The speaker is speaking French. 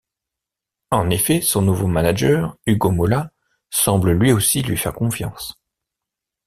En effet, son nouveau manager, Ugo Mola, semble lui aussi lui faire confiance.